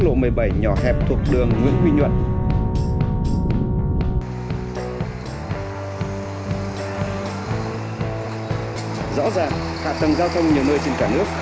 lộ một mươi bảy nhỏ hẹp thuộc đường nguyễn quỳnh nhuận rõ ràng hạ tầng giao thông nhiều nơi trên cả nước